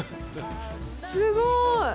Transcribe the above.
すごい！